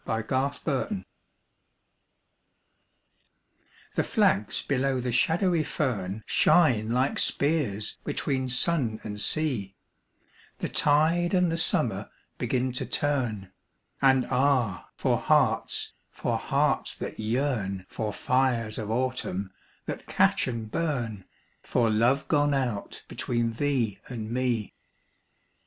SUMMER'S ENDING. THE flags below the shadowy fern Shine like spears between sun and sea, The tide and the summer begin to turn, And ah, for hearts, for hearts that yearn, For fires of autumn that catch and burn, For love gone out between thee and me.